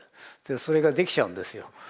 それができちゃうんですよ。